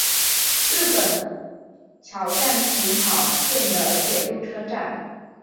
东日本桥站浅草线的铁路车站。